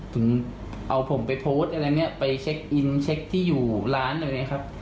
ถึงเอาผมไปโพสต์อะไรเนี่ยไปเช็คอินเช็คที่อยู่ร้านอะไรอย่างนี้ครับ